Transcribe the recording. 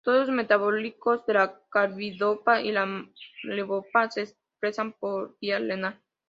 Todos los metabolitos de la carbidopa y la levodopa se excretan por vía renal.